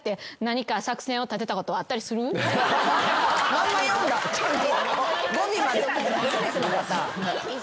・まんま読んだちゃんと。